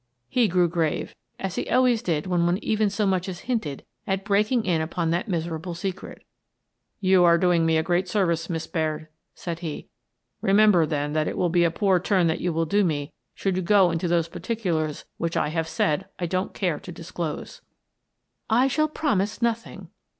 He grew grave, as he always did when one even so much as hinted at breaking in upon that miser able secret " You are doing me a great service, Miss Baird," said he. " Remember, then, that it will be a poor turn that you will do me should you go into those particulars which I have said I don't care to dis close." " I shall promise nothing."